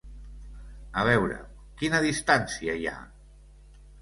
A veure, quina distància hi ha?